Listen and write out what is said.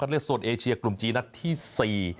ในส่วนเอเชียกลุ่มจีนัทที่สี่